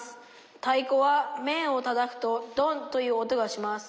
太鼓は面をたたくと『ドン』という音がします。